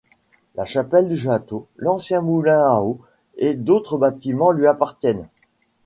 La chapelle du château, l'ancien moulin à eau et d'autres bâtiments lui appartiennent.